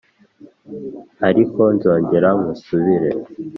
ariko nzongera ngusubire